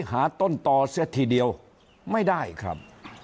หาต้นต่อเสียทีเดียวไม่ได้ครับ